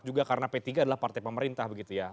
juga karena p tiga adalah partai pemerintah